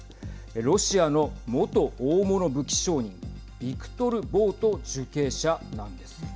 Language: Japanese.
ロシアの元大物武器商人ビクトル・ボウト受刑者なんです。